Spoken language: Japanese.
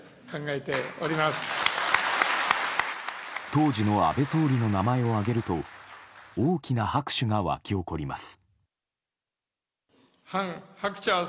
当時の安倍総理の名前を挙げると大きな拍手が沸き起こります。